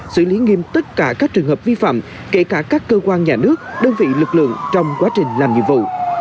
xử lý nghiêm tất cả các trường hợp vi phạm kể cả các cơ quan nhà nước đơn vị lực lượng trong quá trình làm nhiệm vụ